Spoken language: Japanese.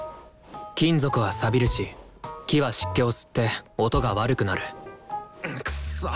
金属はさびるし木は湿気を吸って音が悪くなるくっそ！